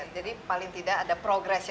jadi paling tidak ada progress ya